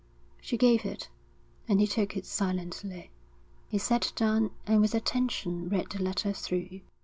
She gave it, and he took it silently. He sat down and with attention read the letter through.